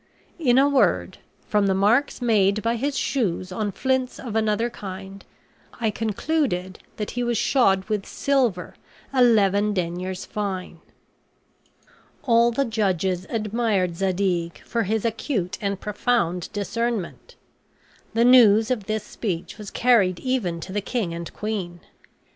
In a word, from the marks made by his shoes on flints of another kind, I concluded that he was shod with silver eleven deniers fine." All the judges admired Zadig for his acute and profound discernment. The news of this speech was carried even to the king and queen.